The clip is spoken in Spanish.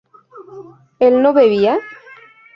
¿él no bebía?